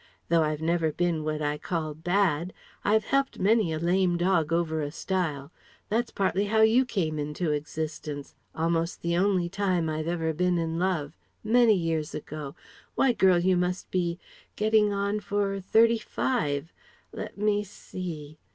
Though I've never bin what I call bad. I've helped many a lame dog over a stile.... That's partly how you came into existence almost the only time I've ever been in love Many years ago why, girl, you must be getting on for thirty five let me see